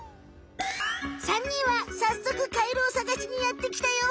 ３にんはさっそくカエルをさがしにやってきたよ。